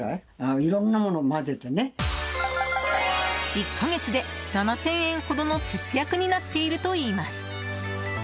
１か月で７０００円ほどの節約になっているといいます。